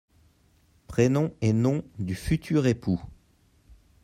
prénoms et nom du futur époux.